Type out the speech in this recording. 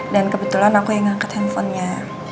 dan kebetulan aku yang angkat handphonenya